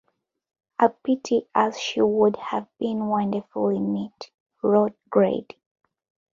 "A pity as she would have been wonderful in it," wrote Grade.